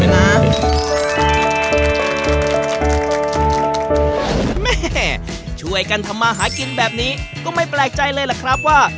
แม่ช่วยกันทำมาหากินแบบนี้ก็ไม่แปลกใจเลยล่ะครับว่า